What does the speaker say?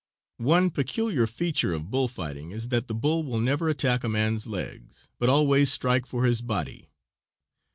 One peculiar feature of bull fighting is that the bull will never attack a man's legs, but always strike for his body.